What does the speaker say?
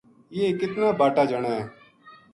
یہ کتنا باٹا جنا ہے